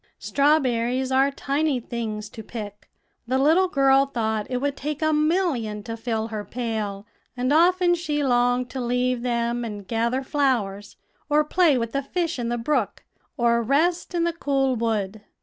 "Strawberries are tiny things to pick; the little girl thought it would take a million to fill her pail; and often she longed to leave them and gather flowers, or play with the fish in the brook, or rest in the cool wood.